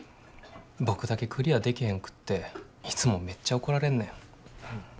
僕だけクリアできへんくっていつもめっちゃ怒られんねん。